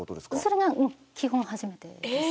それが基本初めてです。